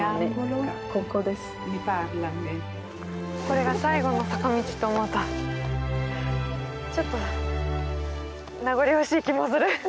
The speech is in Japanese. これが最後の坂道と思うとちょっと名残惜しい気もする。